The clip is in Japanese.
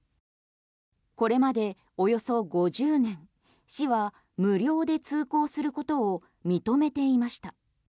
これまでおよそ５０年市は無料で通行することを認めていました。